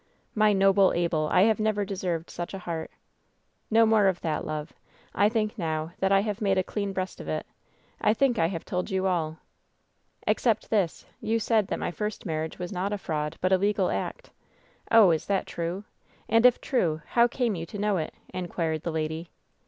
"My noble Abel! I have never deserved such a heart !" "No more of that, love. I think now that I have made ^a clean breast of it.* I think I have told you all." "Except this : You said that my first marriage was not a fraud, but a legal act. Oh! is that true? And if true, how came you to know it ?" inquired the lady.